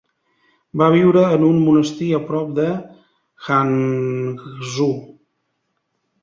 Va viure en un monestir a prop de Hangzhou.